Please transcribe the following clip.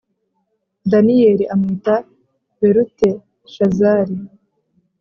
: Daniyeli amwita Beluteshazari